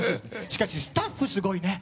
しかしスタッフ、すごいね。